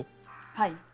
はい。